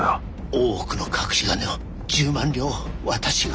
大奥の隠し金を１０万両私が？